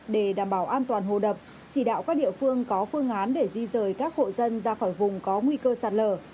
để đảm bảo an toàn hồ đập chỉ đạo các địa phương có phương án để di rời các hộ dân ra khỏi vùng có nguy cơ sạt lở